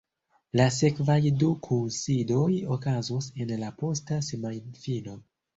La sekvaj du kunsidoj okazos en la posta semajnfino.